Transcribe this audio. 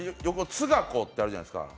「つがこ」ってあるじゃないですか。